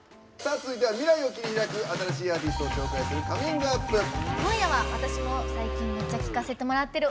続いては未来を切り開く新しいアーティストを紹介する「ＣｏｍｉｎｇＵｐ！」。